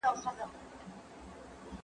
نوي درسي کتابونه کله زده کوونکو ته ویشل کیږي؟